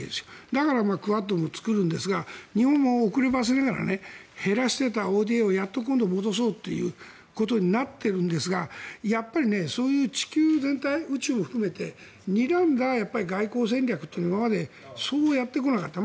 だからクアッドも作るんですが日本も遅ればせながら減らしていたＯＤＡをやっと今度、戻そうということになっているんですがやっぱりそういう地球全体宇宙も含めて、それをにらんだ外交戦略というのは今までそうやってこなかった。